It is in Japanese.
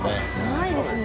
ないですね。